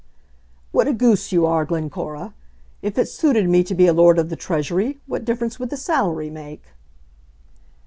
"What a goose you are, Glencora. If it suited me to be a Lord of the Treasury, what difference would the salary make?"